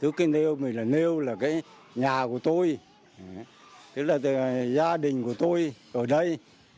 cây nêu là nhà của tôi gia đình của tôi ở đây